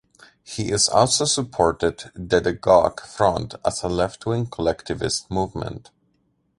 He is also supported the de gauche front as a left-wing collectivist movement.